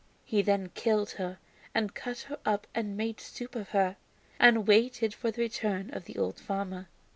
He then killed her and cut her up and made soup of her, and waited for the return of the old farmer.